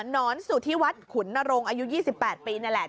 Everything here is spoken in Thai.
นอนสุธิวัฒน์ขุนนรงอายุ๒๘ปีนั่นแหละ